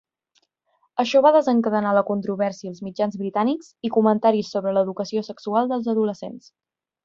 Això va desencadenar la controvèrsia als mitjans britànics i comentaris sobre l'educació sexual dels adolescents.